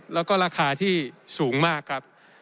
แล้วก็ราคาที่สูงมากครับ